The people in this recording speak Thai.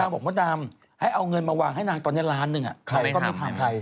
นางบอกว่านางให้เอาเงินมาวางให้นางตอนนี้ล้านหนึ่งใครก็ไม่ทำ